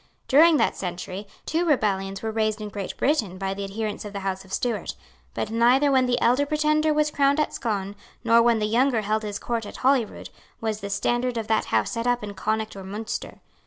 During that century, two rebellions were raised in Great Britain by the adherents of the House of Stuart. But neither when the elder Pretender was crowned at Scone, nor when the younger held his court at Holyrood, was the standard of that House set up in Connaught or Munster.